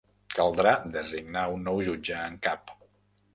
Caldrà designar un nou jutge en cap.